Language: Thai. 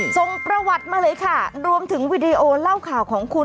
ส่งประวัติมาเลยค่ะรวมถึงวิดีโอเล่าข่าวของคุณ